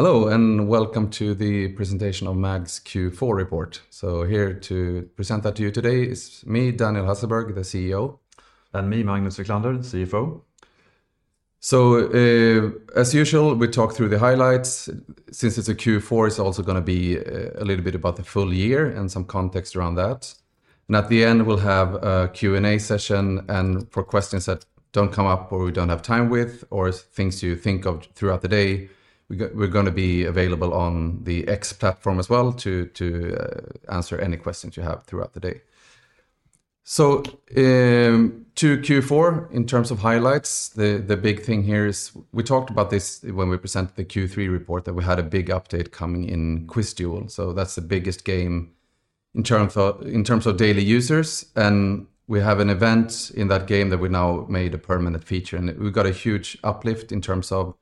Hello, and welcome to the presentation of MAG's Q4 report. Here to present that to you today is me, Daniel Hasselberg, the CEO. Me, Magnus Wiklander, CFO. So, as usual, we talk through the highlights. Since it's a Q4, it's also gonna be a little bit about the full year and some context around that. And at the end, we'll have a Q&A session, and for questions that don't come up or we don't have time with, or things you think of throughout the day, we're gonna be available on the X platform as well to answer any questions you have throughout the day. So, to Q4, in terms of highlights, the big thing here is we talked about this when we presented the Q3 report, that we had a big update coming in QuizDuel, so that's the biggest game in terms of daily users, and we have an event in that game that we now made a permanent feature, and we've got a huge uplift in terms of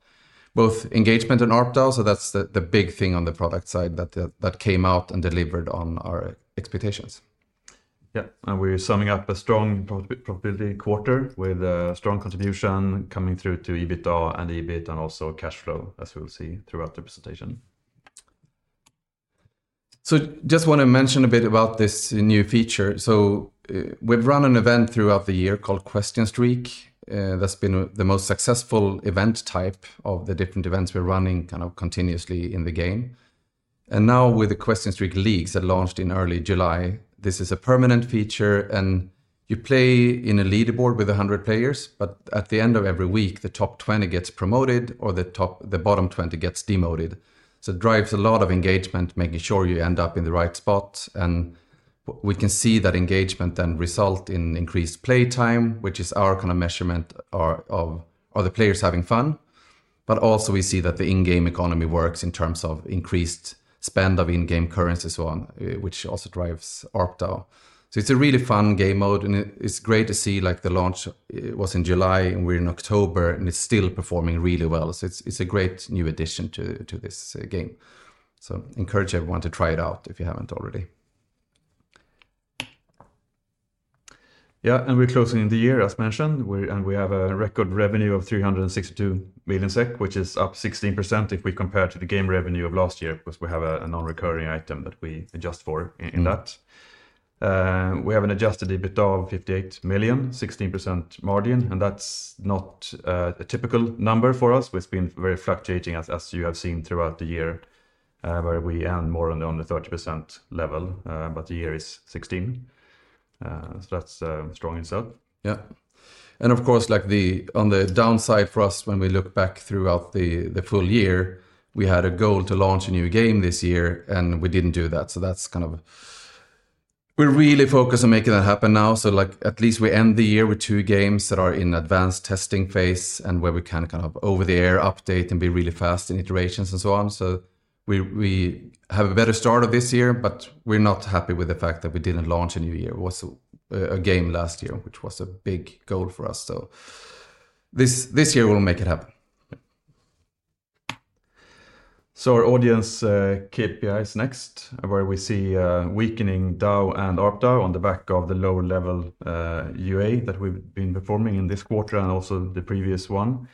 both engagement and ARPDAU. So that's the big thing on the product side that came out and delivered on our expectations. Yeah, and we're summing up a strong profitability quarter with a strong contribution coming through to EBITDA and EBIT, and also cash flow, as we'll see throughout the presentation. So just wanna mention a bit about this new feature. So, we've run an event throughout the year called Question Streak. That's been the most successful event type of the different events we're running, kind of continuously in the game. And now with the Question Streak Leagues that launched in early July, this is a permanent feature, and you play in a leaderboard with 100 players, but at the end of every week, the top 20 gets promoted, or the bottom 20 gets demoted. So it drives a lot of engagement, making sure you end up in the right spot, and we can see that engagement then result in increased play time, which is our kind of measurement of are the players having fun? But also we see that the in-game economy works in terms of increased spend of in-game currency, so on, which also drives ARPDAU. So it's a really fun game mode, and it's great to see, like, the launch was in July, and we're in October, and it's still performing really well. So it's a great new addition to this game. So encourage everyone to try it out if you haven't already. Yeah, we're closing the year, as mentioned. We have a record revenue of 362 million SEK, which is up 16% if we compare to the game revenue of last year, because we have a non-recurring item that we adjust for in that. Mm-hmm. We have an adjusted EBITDA of 58 million, 16% margin, and that's not a typical number for us. It's been very fluctuating, as you have seen throughout the year, where we earn more on the 30% level, but the year is 16%. That's strong in itself. Yeah. And of course, like, on the downside for us, when we look back throughout the full year, we had a goal to launch a new game this year, and we didn't do that. So that's kind of, we're really focused on making that happen now. So like, at least we end the year with two games that are in advanced testing phase and where we can kind of over-the-air update and be really fast in iterations and so on. So we have a better start of this year, but we're not happy with the fact that we didn't launch a new year, a game last year, which was a big goal for us. So this year, we'll make it happen. Yeah. So our audience KPI is next, where we see a weakening DAU and ARPDAU on the back of the lower level UA that we've been performing in this quarter and also the previous one.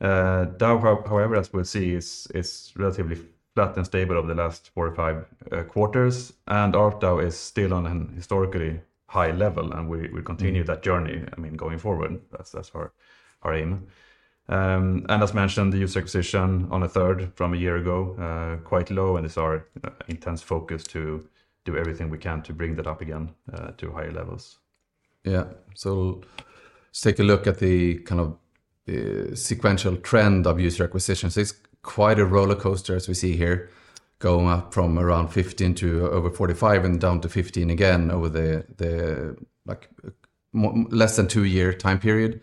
DAU, however, as we'll see, is relatively flat and stable over the last four or five quarters, and ARPDAU is still on an historically high level, and we continue that journey, I mean, going forward. That's our aim. As mentioned, the user acquisition on a third from a year ago quite low, and it's our intense focus to do everything we can to bring that up again to higher levels. Yeah. So let's take a look at the kind of sequential trend of user acquisition. So it's quite a rollercoaster, as we see here, going up from around 15 to over 45 and down to 15 again over the less than two-year time period.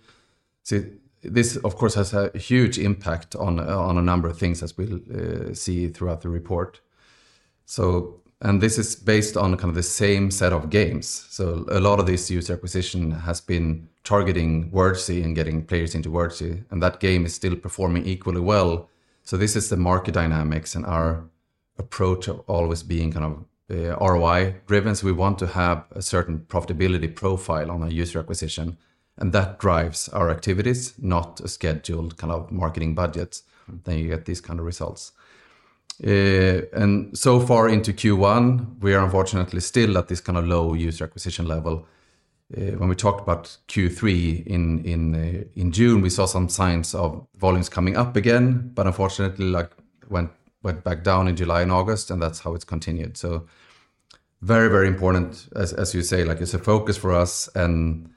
So this, of course, has a huge impact on a number of things, as we'll see throughout the report. So, and this is based on kind of the same set of games. So a lot of this user acquisition has been targeting Wordzee and getting players into Wordzee, and that game is still performing equally well. So this is the market dynamics and our approach of always being kind of ROI-driven. So we want to have a certain profitability profile on our user acquisition, and that drives our activities, not a scheduled kind of marketing budget. Then you get these kind of results. And so far into Q1, we are unfortunately still at this kind of low user acquisition level. When we talked about Q3 in June, we saw some signs of volumes coming up again, but unfortunately, like when it went back down in July and August, and that's how it's continued. So very, very important, as you say, like, it's a focus for us, and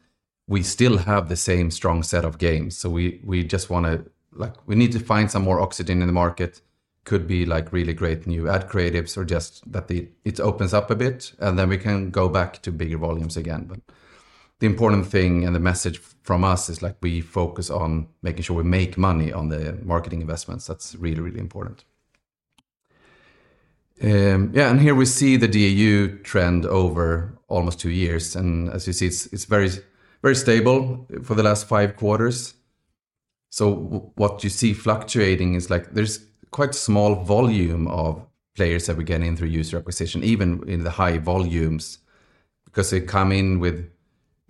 we still have the same strong set of games. So we just wanna like, we need to find some more oxygen in the market. Could be, like, really great new ad creatives or just that it opens up a bit, and then we can go back to bigger volumes again. But the important thing and the message from us is, like, we focus on making sure we make money on the marketing investments. That's really, really important. Here we see the DAU trend over almost two years, and as you see, it's very, very stable for the last five quarters. So what you see fluctuating is, like, there's quite small volume of players that we're getting through user acquisition, even in the high volumes because they come in with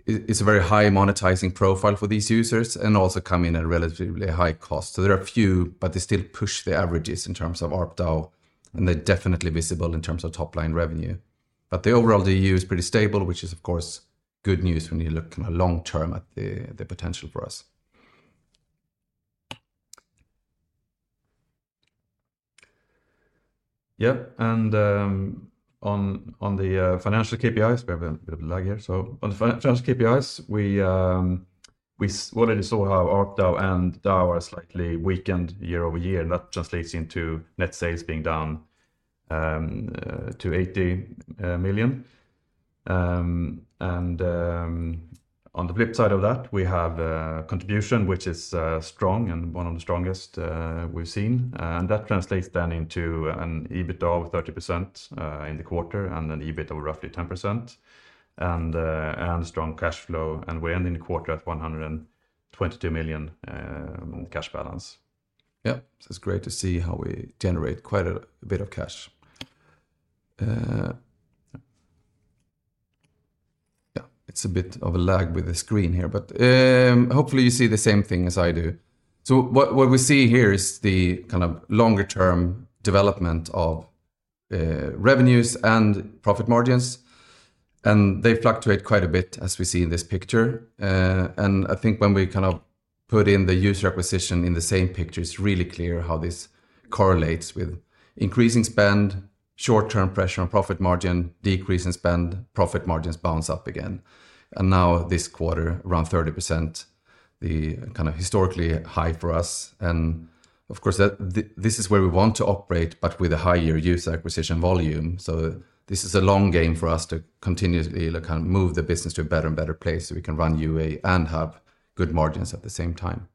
it's a very high monetizing profile for these users, and also come in at a relatively high cost. So there are a few, but they still push the averages in terms of ARPDAU, and they're definitely visible in terms of top-line revenue. But the overall DAU is pretty stable, which is, of course, good news when you look in the long term at the potential for us. Yeah, and on the financial KPIs, we have a bit of a lag here. So on the financial KPIs, we already saw how ARPDAU and DAU are slightly weakened year-over-year, and that translates into net sales being down to 80 million. And on the flip side of that, we have contribution, which is strong and one of the strongest we've seen. And that translates then into an EBITDA of 30% in the quarter, and an EBITDA of roughly 10%, and strong cash flow, and we end in the quarter at 122 million on cash balance. Yeah. So it's great to see how we generate quite a bit of cash. Yeah, it's a bit of a lag with the screen here, but hopefully you see the same thing as I do. So what we see here is the kind of longer-term development of revenues and profit margins, and they fluctuate quite a bit, as we see in this picture. And I think when we kind of put in the user acquisition in the same picture, it's really clear how this correlates with increasing spend, short-term pressure on profit margin, decrease in spend, profit margins bounce up again. And now this quarter, around 30%, the kind of historically high for us, and of course, that this is where we want to operate, but with a higher user acquisition volume. This is a long game for us to continuously, like, kind of move the business to a better and better place, so we can run UA and have good margins at the same time.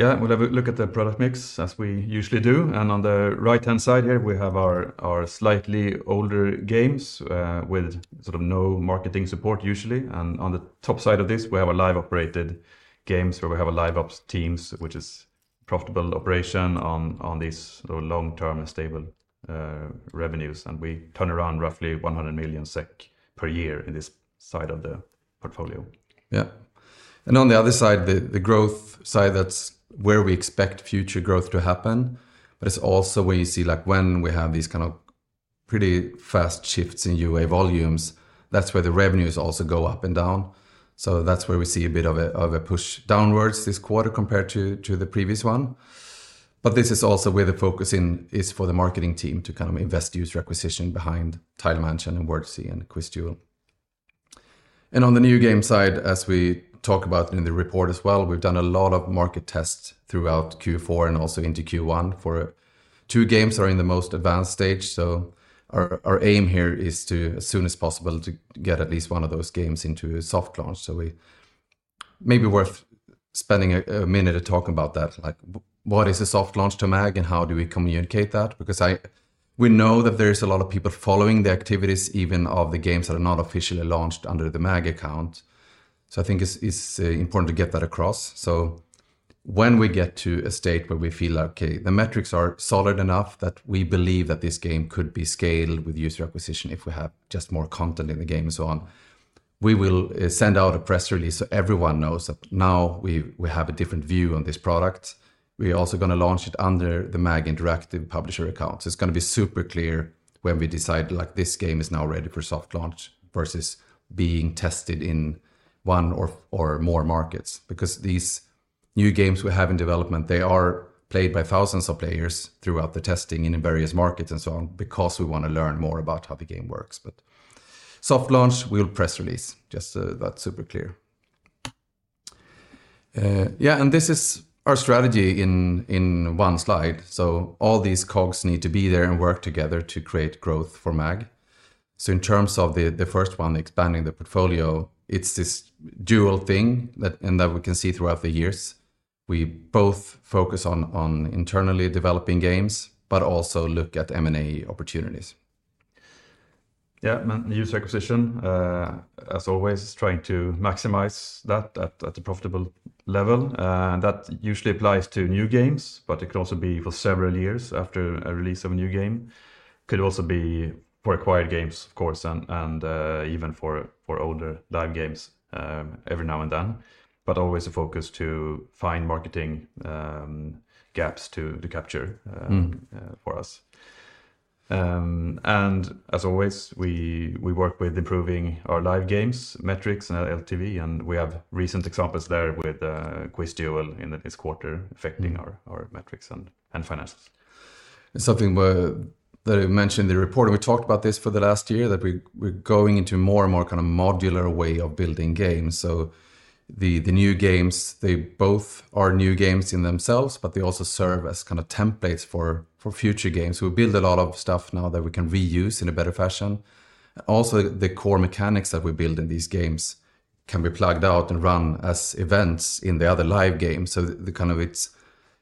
Yeah, we'll have a look at the product mix, as we usually do, and on the right-hand side here, we have our slightly older games with sort of no marketing support usually, and on the top side of this, we have live operated games, where we have LiveOps teams, which is profitable operation on these long-term and stable revenues, and we turn around roughly 100 million SEK per year in this side of the portfolio. Yeah. And on the other side, the growth side, that's where we expect future growth to happen, but it's also where you see, like, when we have these kind of pretty fast shifts in UA volumes, that's where the revenues also go up and down. So that's where we see a bit of a push downwards this quarter compared to the previous one. But this is also where the focus is for the marketing team to invest user acquisition behind Tile Mansion, and Wordzee, and QuizDuel. On the new game side, as we talk about in the report as well, we've done a lot of market tests throughout Q4 and also into Q1 for two games are in the most advanced stage, so our, our aim here is to, as soon as possible, to get at least one of those games into a soft launch. So, maybe worth spending a, a minute to talk about that. Like, what is a soft launch to MAG, and how do we communicate that? Because we know that there is a lot of people following the activities, even of the games that are not officially launched under the MAG account. So I think it's, it's important to get that across. So when we get to a state where we feel like, okay, the metrics are solid enough that we believe that this game could be scaled with user acquisition, if we have just more content in the game and so on, we will send out a press release, so everyone knows that now we, we have a different view on this product. We are also gonna launch it under the MAG Interactive publisher account. So it's gonna be super clear when we decide, like, this game is now ready for soft launch versus being tested in one or, or more markets. Because these new games we have in development, they are played by thousands of players throughout the testing in various markets and so on, because we wanna learn more about how the game works. But soft launch, we'll press release, just so that's super clear. Yeah, and this is our strategy in one slide. So all these cogs need to be there and work together to create growth for MAG. So in terms of the first one, expanding the portfolio, it's this dual thing that we can see throughout the years. We both focus on internally developing games, but also look at M&A opportunities. Yeah, and user acquisition, as always, is trying to maximize that at a profitable level. And that usually applies to new games, but it could also be for several years after a release of a new game. Could also be for acquired games, of course, and even for older live games every now and then, but always a focus to find marketing gaps to capture- Mm-hmm... for us. And as always, we work with improving our live games, metrics, and LTV, and we have recent examples there with QuizDuel in this quarter affecting our metrics and finances. Something that I mentioned in the report, and we talked about this for the last year, that we're going into more and more kind of modular way of building games. So the new games, they both are new games in themselves, but they also serve as kind of templates for future games. We build a lot of stuff now that we can reuse in a better fashion. Also, the core mechanics that we build in these games can be plugged out and run as events in the other live games. So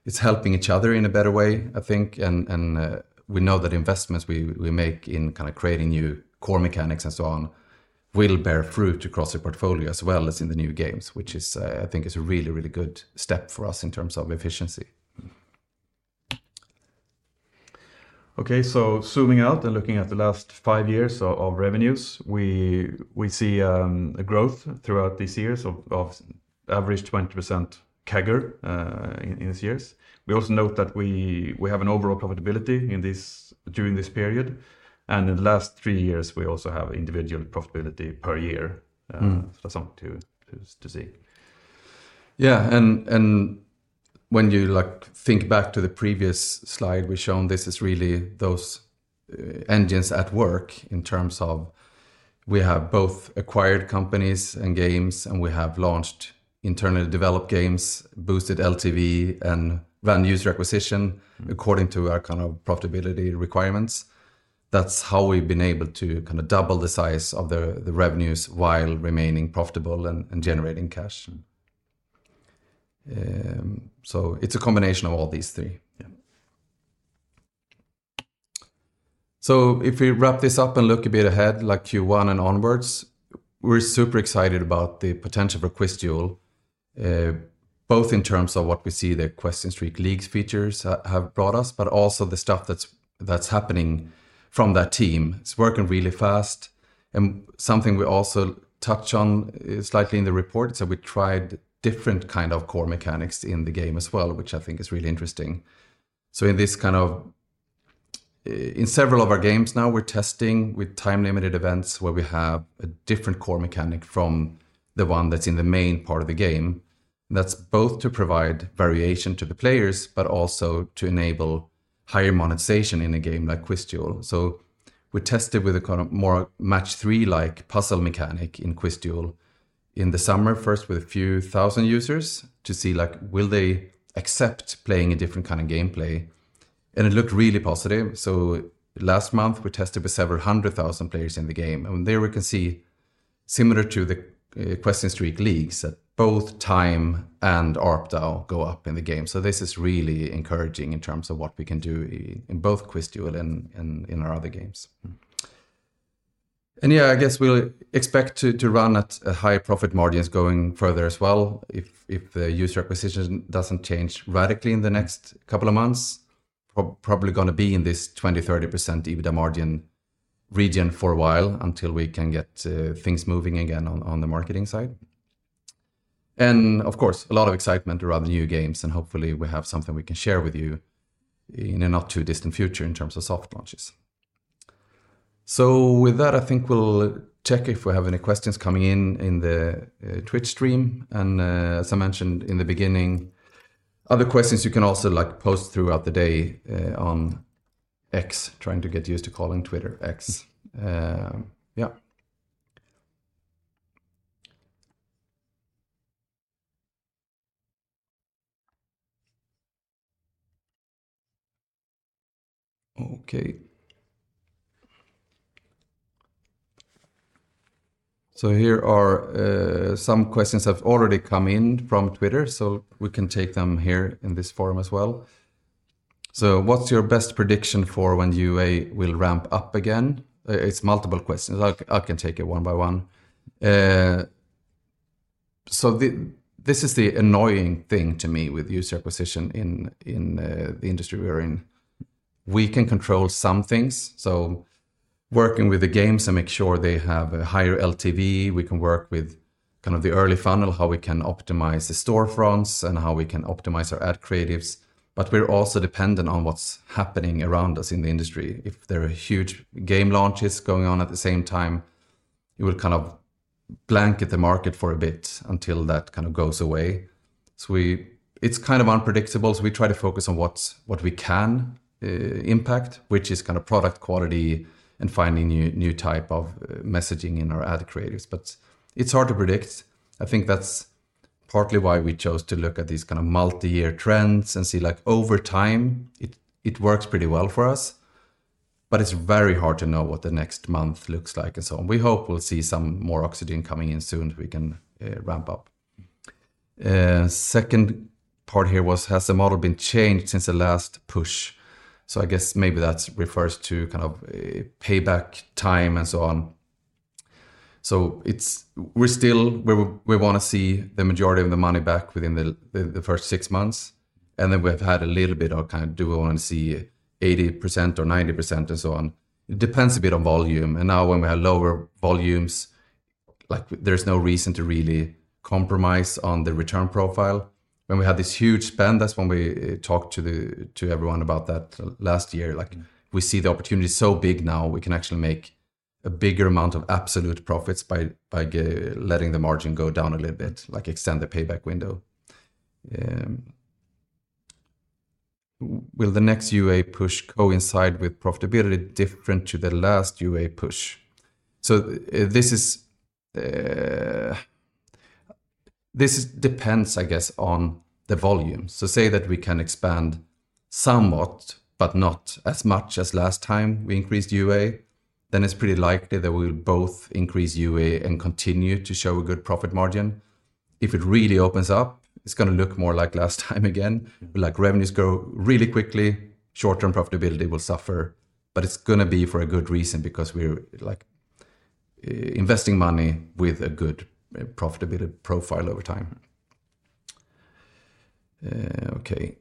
it's helping each other in a better way, I think, and we know that investments we make in kinda creating new core mechanics and so on will bear fruit across the portfolio, as well as in the new games, which I think is a really, really good step for us in terms of efficiency. Okay, so zooming out and looking at the last five years of revenues, we see a growth throughout these years of average 20% CAGR in these years. We also note that we have an overall profitability in this during this period, and in the last three years, we also have individual profitability per year. Mm. That's something to see. Yeah, and when you, like, think back to the previous slide we've shown, this is really those engines at work in terms of we have both acquired companies and games, and we have launched internally developed games, boosted LTV and then user acquisition according to our kind of profitability requirements. That's how we've been able to kinda double the size of the revenues while remaining profitable and generating cash. So it's a combination of all these three. Yeah. So if we wrap this up and look a bit ahead, like Q1 and onwards, we're super excited about the potential for QuizDuel, both in terms of what we see the Question Streak Leagues features have brought us, but also the stuff that's happening from that team. It's working really fast, and something we also touch on slightly in the report, so we tried different kind of core mechanics in the game as well, which I think is really interesting. So in this kind of, in several of our games now, we're testing with time-limited events, where we have a different core mechanic from the one that's in the main part of the game. That's both to provide variation to the players, but also to enable higher monetization in a game like QuizDuel. So we tested with a kind of more match three-like puzzle mechanic in QuizDuel in the summer, first with a few thousand users, to see, like, will they accept playing a different kind of gameplay? It looked really positive. So last month, we tested with several hundred thousand players in the game, and there we can see, similar to the Question Streak Leagues, that both time and ARPDAU go up in the game. So this is really encouraging in terms of what we can do in both QuizDuel and, and in our other games. Mm. Yeah, I guess we'll expect to run at higher profit margins going further as well. If the user acquisition doesn't change radically in the next couple of months, probably gonna be in this 20%-30% EBITDA margin region for a while, until we can get things moving again on the marketing side. And of course, a lot of excitement around the new games, and hopefully we have something we can share with you in a not-too-distant future in terms of soft launches. So with that, I think we'll check if we have any questions coming in in the Twitch stream. And as I mentioned in the beginning, other questions you can also, like, post throughout the day on X. Trying to get used to calling Twitter, X. Yeah. Okay. So here are some questions that have already come in from Twitter, so we can take them here in this forum as well. So what's your best prediction for when UA will ramp up again?" It's multiple questions. I, I can take it one by one. So this is the annoying thing to me with user acquisition in the industry we're in. We can control some things, so working with the games to make sure they have a higher LTV. We can work with kind of the early funnel, how we can optimize the storefronts, and how we can optimize our ad creatives, but we're also dependent on what's happening around us in the industry. If there are huge game launches going on at the same time, it will kind of blanket the market for a bit until that kind of goes away. It's kind of unpredictable, so we try to focus on what we can impact, which is kinda product quality and finding new type of messaging in our ad creatives, but it's hard to predict. I think that's partly why we chose to look at these kind of multi-year trends and see, like, over time, it works pretty well for us, but it's very hard to know what the next month looks like and so on. We hope we'll see some more oxygen coming in soon, we can ramp up. Second part here was: "Has the model been changed since the last push?" So I guess maybe that refers to kind of payback time and so on. So it's... We're still. We wanna see the majority of the money back within the first six months, and then we've had a little bit of, kind of, do we wanna see 80% or 90% and so on? It depends a bit on volume, and now when we have lower volumes, like, there's no reason to really compromise on the return profile. When we had this huge spend, that's when we talked to everyone about that last year. Like, we see the opportunity so big now, we can actually make a bigger amount of absolute profits by letting the margin go down a little bit, like extend the payback window. "Will the next UA push coincide with profitability different to the last UA push?" So this is... This depends, I guess, on the volume. So say that we can expand somewhat, but not as much as last time we increased UA, then it's pretty likely that we'll both increase UA and continue to show a good profit margin. If it really opens up, it's gonna look more like last time again, like revenues grow really quickly, short-term profitability will suffer, but it's gonna be for a good reason, because we're, like, investing money with a good profitability profile over time. Okay.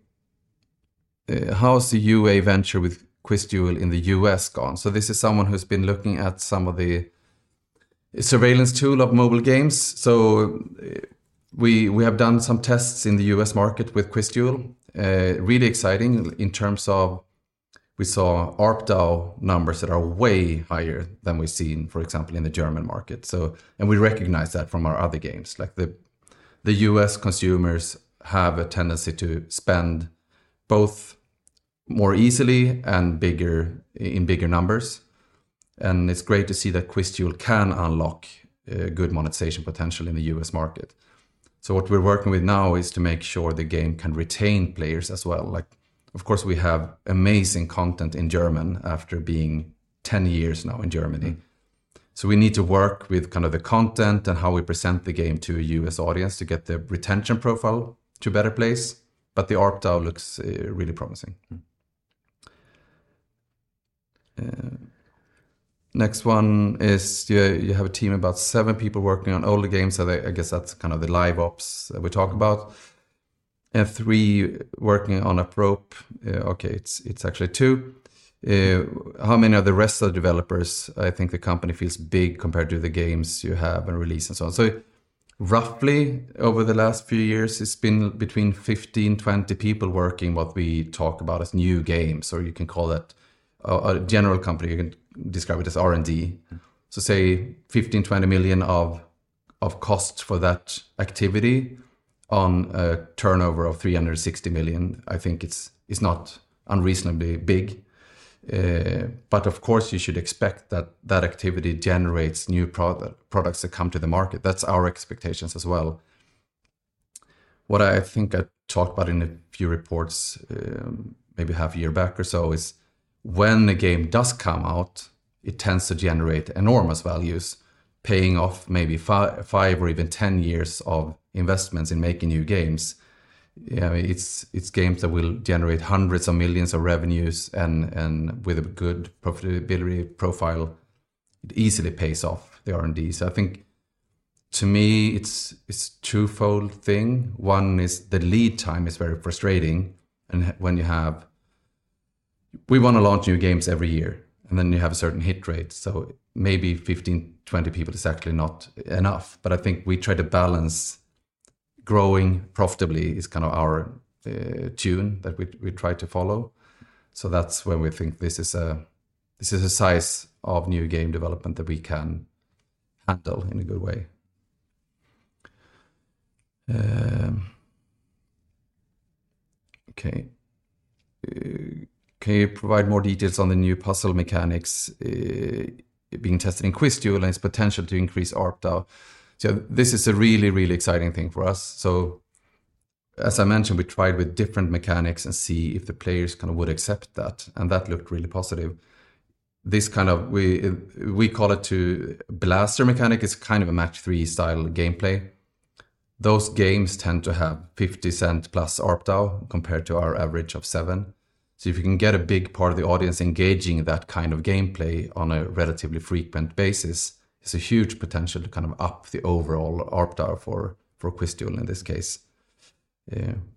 "How's the UA venture with QuizDuel in the U.S. gone?" So this is someone who's been looking at some of the Sensor Tower of mobile games. So we have done some tests in the U.S. market with QuizDuel. Really exciting in terms of we saw ARPDAU numbers that are way higher than we've seen, for example, in the German market. We recognize that from our other games, like the U.S. consumers have a tendency to spend both more easily and bigger, in bigger numbers, and it's great to see that QuizDuel can unlock good monetization potential in the U.S. market. So what we're working with now is to make sure the game can retain players as well. Like, of course, we have amazing content in German after being 10 years now in Germany. So we need to work with kind of the content and how we present the game to a U.S. audience to get the retention profile to a better place, but the ARPDAU looks really promising. Next one is, "You have a team of about seven people working on older games," so I guess that's kind of the live ops that we talk about, "and three working on Apprope." Okay, it's actually two. "How many are the rest of the developers? I think the company feels big compared to the games you have and release, and so on." So roughly, over the last few years, it's been between 15-20 people working what we talk about as new games, or you can call it a general company, you can describe it as R&D. So say 15 million-20 million of costs for that activity on a turnover of 360 million, I think it's not unreasonably big. But of course, you should expect that that activity generates new products that come to the market. That's our expectations as well. What I think I talked about in a few reports, maybe half a year back or so, is when the game does come out, it tends to generate enormous values, paying off maybe five, five or even 10 years of investments in making new games. You know, it's, it's games that will generate hundreds of millions in revenues and, and with a good profitability profile, it easily pays off the R&D. So I think to me, it's, it's a twofold thing. One is the lead time is very frustrating, and when you have. We want to launch new games every year, and then you have a certain hit rate, so maybe 15, 20 people is actually not enough. But I think we try to balance growing profitably is kind of our tune that we try to follow. So that's when we think this is a, this is a size of new game development that we can handle in a good way. "Can you provide more details on the new puzzle mechanics being tested in QuizDuel and its potential to increase ARPDAU?" So this is a really, really exciting thing for us. So as I mentioned, we tried with different mechanics and see if the players kind of would accept that, and that looked really positive. This kind of, we call it Tile Blaster mechanic. It's kind of a match-three style gameplay. Those games tend to have $0.50+ ARPDAU compared to our average of $0.07. So if you can get a big part of the audience engaging in that kind of gameplay on a relatively frequent basis, it's a huge potential to kind of up the overall ARPDAU for QuizDuel in this case,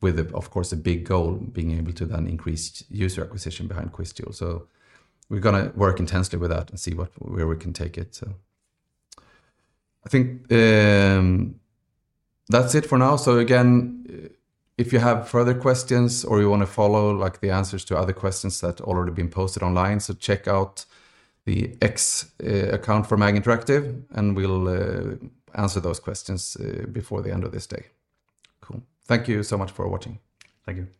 with, of course, a big goal being able to then increase user acquisition behind QuizDuel. So we're gonna work intensely with that and see where we can take it. So I think, that's it for now. So again, if you have further questions or you want to follow, like, the answers to other questions that have already been posted online, so check out the X account for MAG Interactive, and we'll answer those questions before the end of this day. Cool. Thank you so much for watching. Thank you.